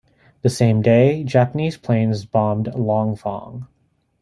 The same day Japanese planes bombed Langfang.